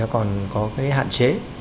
còn có cái hạn chế